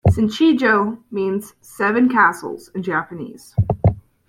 Shichijo means "Seven Castles" in Japanese.